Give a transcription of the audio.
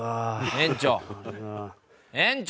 園長！